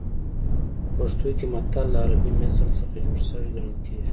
په پښتو کې متل له عربي مثل څخه جوړ شوی ګڼل کېږي